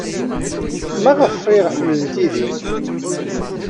Maɣef ay ḥemmlent Yidir?